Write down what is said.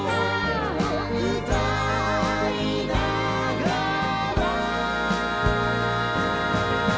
「うたいながら」